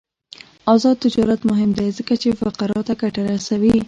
آزاد تجارت مهم دی ځکه چې فقراء ته ګټه رسوي.